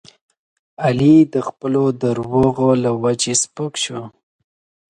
علي د خپلو دروغو له وجې سپک شو.